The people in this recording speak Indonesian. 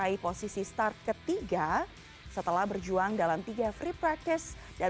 baris terdepan di posisi start ketiga setelah berjuang dalam tiga free practice di